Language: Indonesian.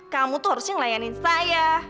kamu itu harusnya melayani saya